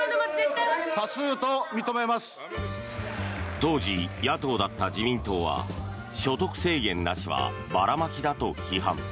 当時、野党だった自民党は所得制限なしはばらまきだと批判。